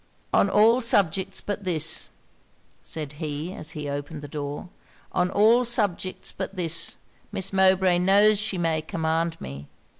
'On all subjects but this,' said he, as he opened the door 'on all subjects but this, Miss Mowbray knows she may command me.